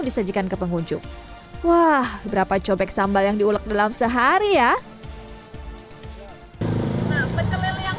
disajikan ke pengunjung wah berapa cobek sambal yang diulek dalam sehari ya nah pecel yang